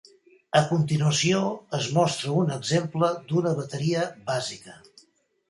A continuació es mostra un exemple d'una bateria bàsica.